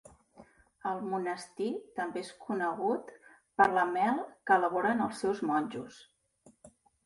El monestir també és conegut per la mel que elaboren els seus monjos.